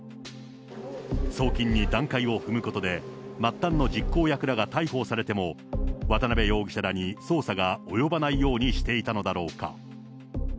送金に段階を踏むことで、末端の実行役らが逮捕されても、渡辺容疑者らに捜査が及ばないようにしていたのだろうか。